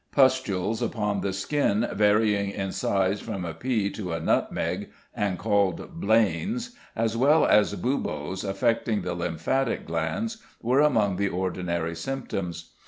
Pustules upon the skin, varying in size from a pea to a nutmeg, and called blains, as well as buboes affecting the lymphatic glands, were among the ordinary symptoms.